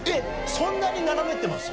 そんなに斜めってます？